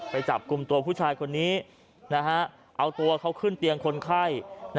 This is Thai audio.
ไปจับกลุ่มตัวผู้ชายคนนี้เอาตัวเขาขึ้นเตียงคนไข้